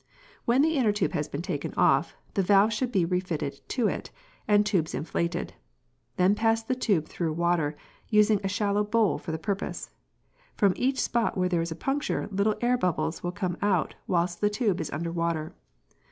When the inner tube has been taken off, the valve should be refitted to it, and the tubes inflated. Then pass the tube through water, using a shallow bowl for the purpose. From each spot where there is a puncture, little air bubbles will come out whilst the tube is under water.